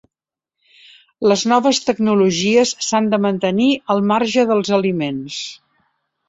Les noves tecnologies s'han de mantenir al marge dels aliments.